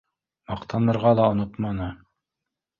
— Маҡтанырға ла онотманы